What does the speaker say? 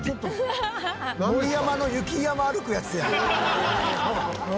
「盛山の雪山歩くやつや」